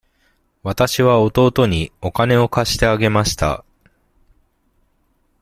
わたしは弟にお金を貸してあげました。